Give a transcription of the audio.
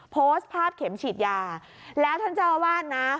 โพสต์ภาพเข็มฉีดยาแล้วท่านเจ้าอาวาสนะ